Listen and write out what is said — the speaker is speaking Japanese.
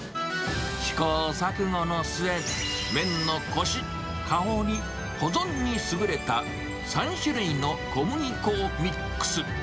試行錯誤の末、麺のこし、香り、保存に優れた３種類の小麦粉をミックス。